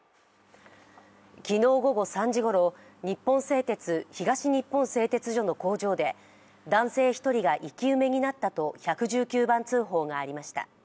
昨日午後３時ごろ、日本製鉄・東日本製鉄所の工場で、男性１人が生き埋めになったと１１９番通報がありました。